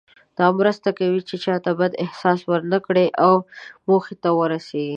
دا مرسته کوي چې چاته بد احساس ورنه کړئ او موخې ته ورسیږئ.